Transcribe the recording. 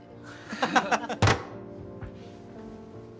ハハハハ。